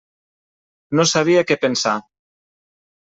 No sabia què pensar.